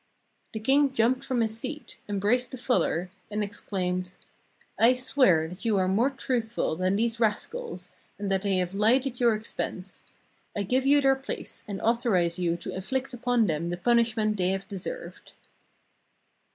The king jumped from his seat, embraced the fuller, and ex claimed :' I swear that you are more truthful than these rascals, and that they have Ued at your expense. I give you their place, and authorize you to inflict upon them the punishment they have deserved.'"